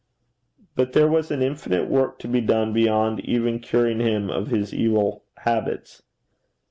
But there was an infinite work to be done beyond even curing him of his evil habits.